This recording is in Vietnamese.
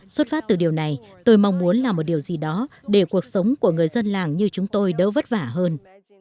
xuất phát từ điều này tôi mong muốn làm một điều gì đó để cuộc sống của người dân làng như chúng tôi đỡ vất vả hơn